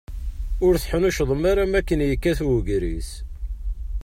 Ur teḥnuccḍem ara makken yekkat ugris.